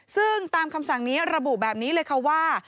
ซึ่งตามคำสั่งนี้ระบุแบบนี้เลยค่ะว่า